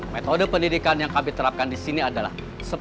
metode pendidikan yang kami terapkan di sini adalah